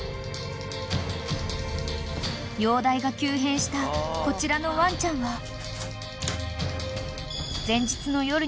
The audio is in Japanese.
［容体が急変したこちらのワンちゃんは］